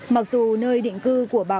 mặc dù nơi định cư của bà con